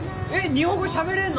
日本語しゃべれんの⁉